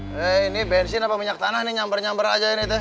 hei ini bensin apa minyak tanah ini nyamber nyamber aja ini teh